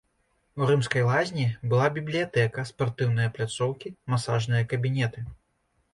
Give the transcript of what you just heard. У рымскай лазні была бібліятэка, спартыўныя пляцоўкі, масажныя кабінеты.